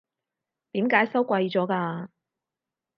點解收貴咗㗎？